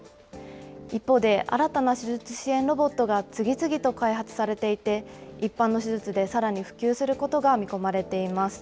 一方で、新たな手術支援ロボットが次々と開発されていて、一般の手術でさらに普及することが見込まれています。